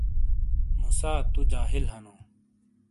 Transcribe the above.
مُوسٰی تو جاہل ہنو۔